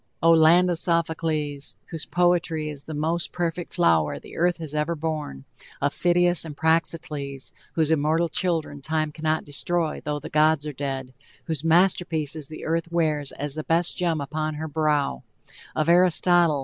Oh, land of Sophocles! whose poetry is the most perfect flower the earth has ever borne, of Phidias and Praxiteles! whose immortal children time cannot destroy, though the gods are dead whose masterpieces the earth wears as the best gem upon her brow, of Aristotle!